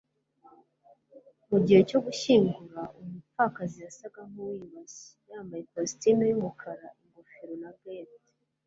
Mu gihe cyo gushyingura umupfakazi yasaga nkuwiyubashye yambaye ikositimu yumukara ingofero na gants